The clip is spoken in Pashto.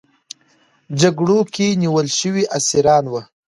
جګړو کې نیول شوي اسیران وو.